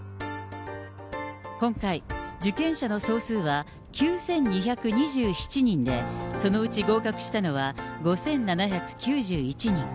今回、受験者の総数は９２２７人で、そのうち合格したのは、５７９１人。